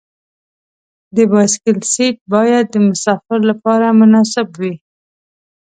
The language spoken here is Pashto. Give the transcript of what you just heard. د بایسکل سیټ باید د مسافر لپاره مناسب وي.